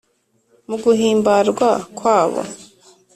mu guhimbarwa kwabo